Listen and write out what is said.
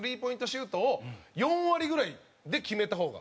シュートを４割ぐらいで決めた方が。